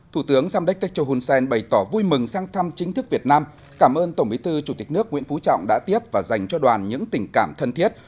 thủ tướng samdech techo hun sen bày tỏ vui mừng sang thăm chính thức việt nam cảm ơn tổng bí thư chủ tịch nước nguyễn phú trọng đã tiếp và dành cho đoàn những tình cảm thân thiết